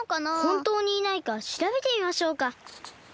ほんとうにいないかしらべてみましょうか。